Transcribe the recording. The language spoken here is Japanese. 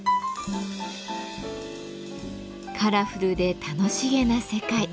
カラフルで楽しげな世界。